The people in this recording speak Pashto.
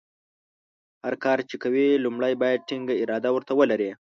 هر کار چې کوې لومړۍ باید ټینګه اراده ورته ولرې.